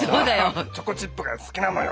チョコチップが好きなのよ。